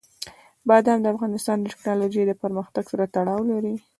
بادام د افغانستان د تکنالوژۍ له پرمختګ سره تړاو لري.